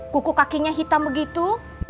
kuku kakinya hitam begitu